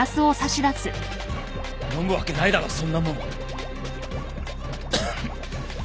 飲むわけないだろそんなもん。